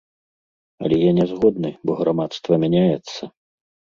Але я нязгодны, бо грамадства мяняецца.